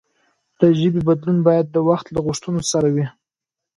د ژبې بدلون باید د وخت له غوښتنو سره وي.